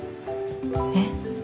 えっ？